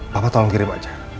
papa tolong kirim aja